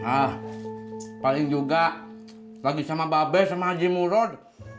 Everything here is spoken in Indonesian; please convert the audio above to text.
ah paling juga lagi sama babes sama haji murad